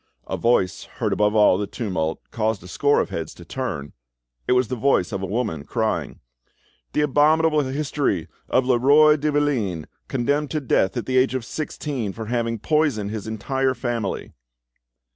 A voice heard above all the tumult caused a score of heads to turn, it was the voice of a woman crying: "The abominable history of Leroi de Valine, condemned to death at the age of sixteen for having poisoned his entire family!"